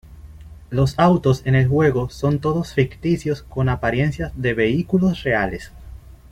Los autos en el juego son todos ficticios con apariencia de vehículos reales.